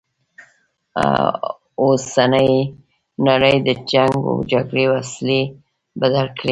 اوسنۍ نړی د جنګ و جګړې وسیلې بدل کړي.